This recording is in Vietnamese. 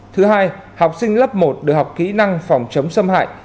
thứ hai học sinh lớp một được học kỹ năng phòng chống xâm hại